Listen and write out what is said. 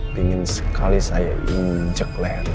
pingin sekali saya injek let